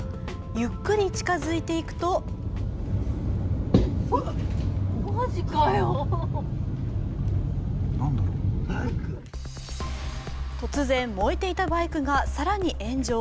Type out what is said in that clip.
ゆっくり近づいていくと突然燃えていたバイクが更に炎上。